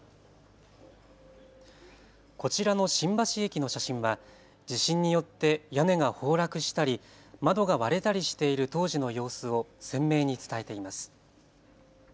こちらの新橋駅の写真は地震によって屋根が崩落したり窓が割れたりしている当時の様子を鮮明に伝えています。